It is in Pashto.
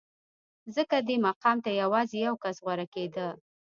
ځکه دې مقام ته یوازې یو کس غوره کېده